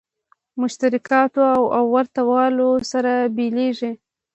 مشترکاتو او ورته والو سره بېلېږي.